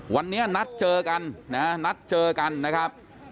วันนี้นัดเจอกันนะครับ